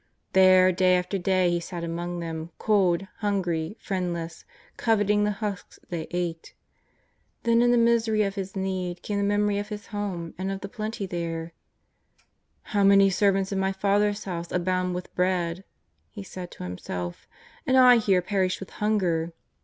There, day after day he sat among them, cold, hungry, friend Jess, coveting the husks they ate. Then in the misery of his need came the memory of his home and of the plenty there: '' How many servants in my father's house abound with bread,'' he said to himself, " and I here perish with hunger."